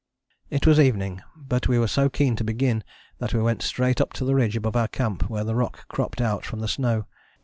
" It was evening, but we were so keen to begin that we went straight up to the ridge above our camp, where the rock cropped out from the snow.